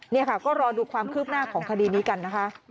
นี่ค่ะก็รอดูความคืบหน้าของคดีนี้กันนะคะ